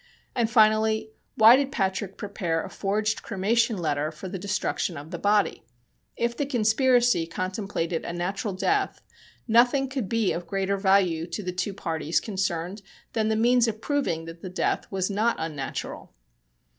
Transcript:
And finally, why did Patrick prepare a forged cremation letter for the destruction of the body? If the conspiracy contemplated a natural death, nothing could be of greater value to the two parties concerned than the means of proving that the death was not unnatural.